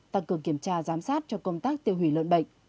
tăng cường kiểm tra giám sát cho công tác tiêu hủy lợn bệnh